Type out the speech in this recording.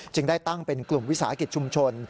จึงได้ตั้งเป็นกลุ่มวิศาคิตชุมชน